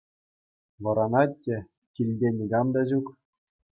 Вӑранать те — килте никам та ҫук.